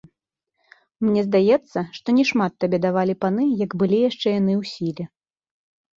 Мне здаецца, што не шмат табе давалі паны, як былі яшчэ яны ў сіле.